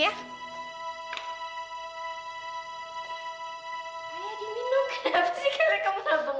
kayak diminum kenapa sih karyaknya mula bongong